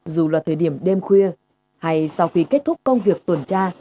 dù là thời điểm đêm khuya hay sau khi kết thúc công việc tuần tra